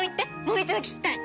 もう一度聞きたい！